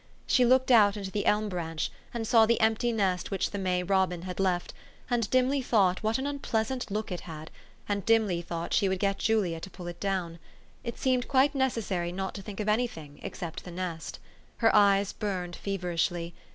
She looked out into the elm branch, and saw the empty nest which the May robin had left, and dimly thought what an unpleasant THE STORY OF AVIS. 281 look it had, and dimly thought she would get Julia to pull 'it down. It seemed quite necessary not to think of any thing except the nest. Her eyes burned feverishly.